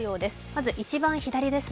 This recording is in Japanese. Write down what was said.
まず一番左です。